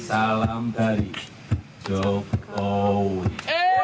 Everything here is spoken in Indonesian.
salam dari jokowi